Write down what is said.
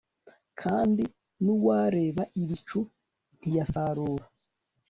kandi n'uwareba ibicu ntiyasarura